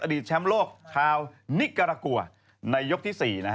แชมป์โลกชาวนิการากัวในยกที่๔